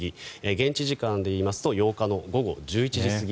現地時間で言いますと８日の午後１１時過ぎ。